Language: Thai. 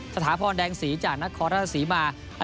สถาพรแดงสีจากนักคอราศสีมาร